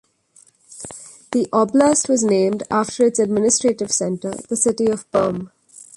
The oblast was named after its administrative center, the city of Perm.